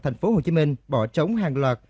thành phố hồ chí minh bỏ trống hàng loạt